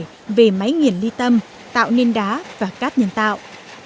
đất đá từ bãi thải được đưa về máy nghiền ly tâm tạo nền đá và cát nhân tạo